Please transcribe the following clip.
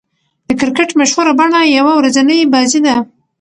د کرکټ مشهوره بڼه يوه ورځنۍ بازي ده.